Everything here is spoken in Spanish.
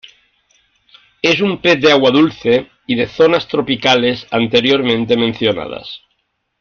Es un pez de agua dulce y de zonas tropicales anteriormente mencionadas.